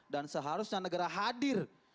dan seharusnya negara hadir